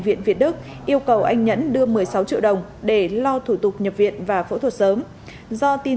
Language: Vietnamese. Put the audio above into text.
viện việt đức yêu cầu anh nhẫn đưa một mươi sáu triệu đồng để lo thủ tục nhập viện và phẫu thuật sớm do tin